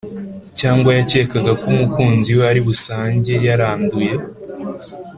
cyangwa yakekaga ko umukunzi we ari busange yaranduye?